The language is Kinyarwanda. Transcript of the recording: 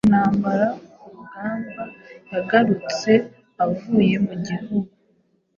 Intambara-kurugamba yagarutse avuye mu gihuru